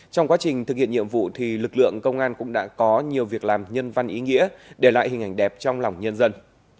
trong quá trình thực hiện nhiệm vụ lực lượng công an cũng đã có nhiều việc làm nhân văn ý nghĩa để lại hình ảnh đẹp trong lòng nhân dân